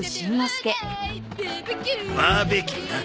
バーべキューな。